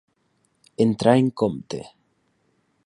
Entrar en compte.